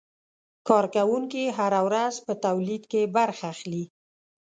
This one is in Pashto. کارکوونکي هره ورځ په تولید کې برخه اخلي.